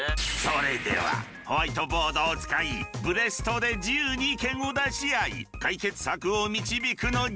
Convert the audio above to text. それではホワイトボードを使いブレストで自由に意見を出し合い解決策を導くのじゃ！